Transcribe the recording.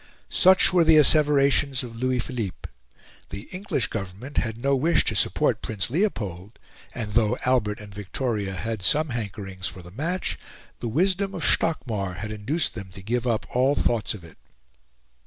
Such were the asseverations of Louis Philippe. The English Government had no wish to support Prince Leopold, and though Albert and Victoria had some hankerings for the match, the wisdom of Stockmar had induced them to give up all thoughts of it.